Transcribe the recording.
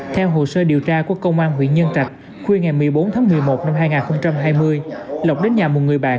theo hồ sơ điều tra của công an huyện nhân trạch khuya ngày một mươi bốn tháng một mươi một năm hai nghìn hai mươi lộc đến nhà một người bạn